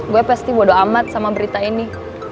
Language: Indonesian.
gue pasti bodoh amat sama berita ini